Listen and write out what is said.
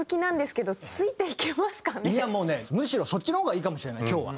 いやもうねむしろそっちの方がいいかもしれない今日は。